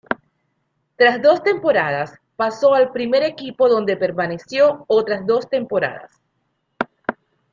Tras dos temporadas, pasó al primer equipo donde permaneció otras dos temporadas.